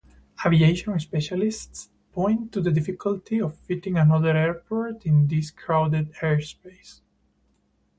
Aviation specialists point to the difficulty of fitting another airport in this crowded airspace.